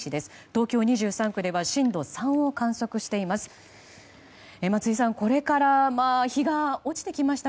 東京２３区では震度３を観測しています。